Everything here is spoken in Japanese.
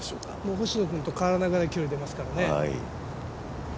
星野君と変わらない距離が出ますからね。